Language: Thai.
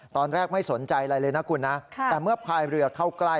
ตอนแรกไม่สนใจอะไรเลยนะคุณนะแต่เมื่อพายเรือเข้าใกล้